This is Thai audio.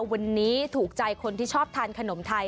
วันนี้ถูกใจคนที่ชอบทานขนมไทย